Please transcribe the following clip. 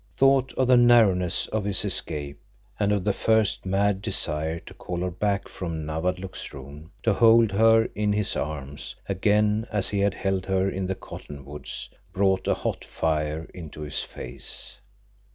Thought of the narrowness of his escape and of the first mad desire to call her back from Nawadlook's room, to hold her in his arms again as he had held her in the cottonwoods, brought a hot fire into his face.